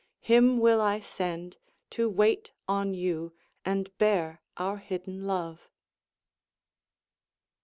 Him will I send To wait on you, and bear our hidden love.